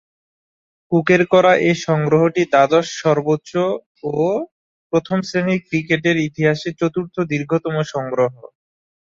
কুকের করা এ সংগ্রহটি দ্বাদশ সর্বোচ্চ ও প্রথম-শ্রেণীর ক্রিকেটের ইতিহাসে চতুর্থ দীর্ঘতম সংগ্রহ।